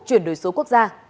chuyển đổi số quốc gia